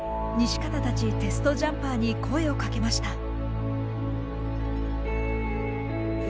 西方たちテストジャンパーに声をかけました。